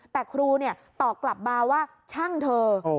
แต่ครูตอบกลับมาว่าช่างเธอ